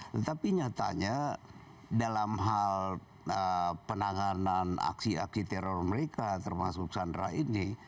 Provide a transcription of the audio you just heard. tetapi nyatanya dalam hal penanganan aksi aksi teror mereka termasuk sandra ini